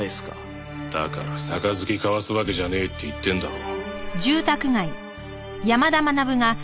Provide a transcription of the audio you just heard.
だから杯交わすわけじゃねえって言ってんだろ。